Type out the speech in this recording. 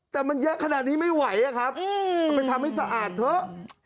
แต่มันเยอะขนาดนี้ไม่ไหวอะครับเอาไปทำให้สะอาดเถอะ